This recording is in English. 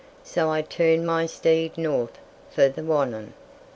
So I turned my steed north for the Wannon.